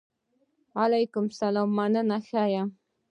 وعلیکم سلام! مننه ښۀ یم.